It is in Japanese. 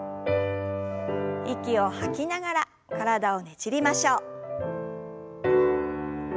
息を吐きながら体をねじりましょう。